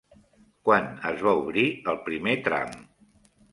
Quan es va obrir el primer tram?